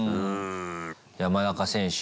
山中選手。